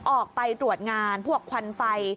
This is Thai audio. ออกไปตรวจงานพวกควันไฟ